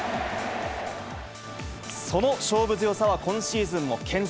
その勝負強さは今シーズンも健在。